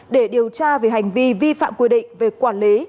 để điều tra về hành vi vi phạm quy định về quản lý